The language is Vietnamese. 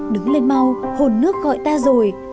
đứng lên mau hồn nước gọi ta rồi